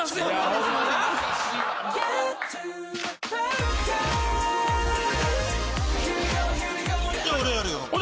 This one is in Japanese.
じゃあ俺やるよ。